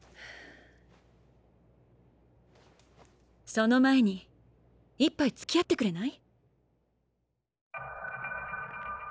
その前に一杯つきあってくれない？